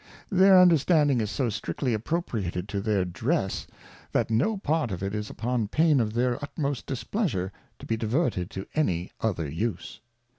Their Understanding is so strictly appropriated to their Dress, that no part of it is upon pain of their utmost Displeasure to be diverted to any other use.